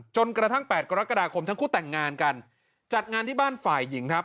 จนกระทั่ง๘กรกฎาคมทั้งคู่แต่งงานกันจัดงานที่บ้านฝ่ายหญิงครับ